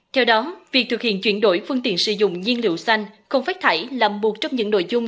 theo đó việc thực hiện chuyển đổi phương tiện sử dụng nhiên liệu xanh không phát thải là một trong những nội dung